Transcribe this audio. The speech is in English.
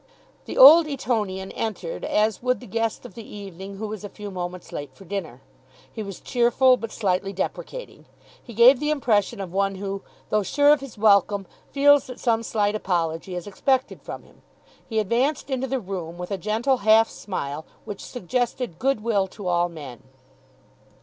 The old Etonian entered as would the guest of the evening who is a few moments late for dinner. He was cheerful, but slightly deprecating. He gave the impression of one who, though sure of his welcome, feels that some slight apology is expected from him. He advanced into the room with a gentle half smile which suggested good will to all men.